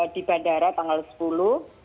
di bandara tanggal sepuluh